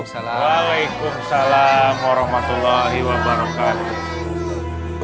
waalaikumsalam warahmatullahi wabarakatuh